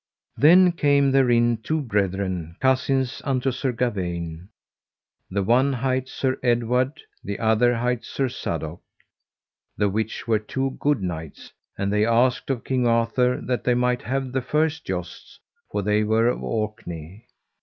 Then came therein two brethren, cousins unto Sir Gawaine, the one hight Sir Edward, that other hight Sir Sadok, the which were two good knights; and they asked of King Arthur that they might have the first jousts, for they were of Orkney.